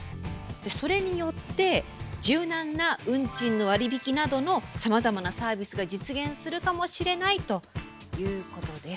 それによって柔軟な運賃の割引などのさまざまなサービスが実現するかもしれないということです。